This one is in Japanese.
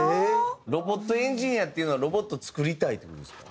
ロボットエンジニアっていうのはロボット作りたいって事ですか？